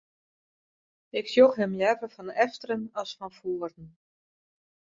Ik sjoch him leaver fan efteren as fan foaren.